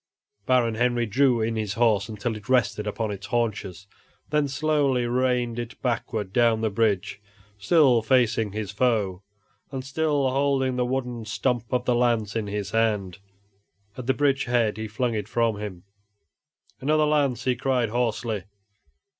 Baron Henry drew in his horse until it rested upon its haunches, then slowly reined it backward down the bridge, still facing his foe, and still holding the wooden stump of the lance in his hand. At the bridge head he flung it from him. "Another lance!" he cried, hoarsely.